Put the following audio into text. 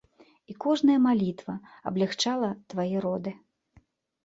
І кожная малітва аблягчала твае роды.